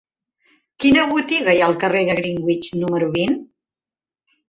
Quina botiga hi ha al carrer de Greenwich número vint?